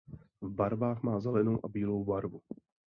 V barvách má zelenou a bílou barvu.